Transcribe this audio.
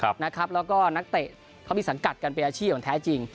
แล้วก็นักเตะเขามีสังกัดกันเป็นอาชีพอย่างแท้จริง